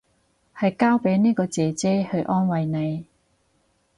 係交俾呢個姐姐去安慰你